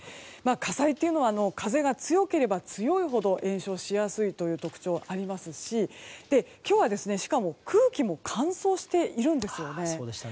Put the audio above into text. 火災というのは風が強ければ強いほど延焼しやすいという特徴がありますし今日は、しかも空気も乾燥しているんですね。